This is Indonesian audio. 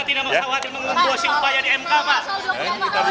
dia mengumpulkan upaya di mk